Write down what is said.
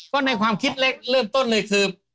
ก็ในความคิดเล็กเริ่มต้นเลยคือ